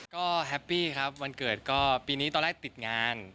ก็แฮปปี้ครับวันเกิดก็ปีนี้ตอนแรกติดงาน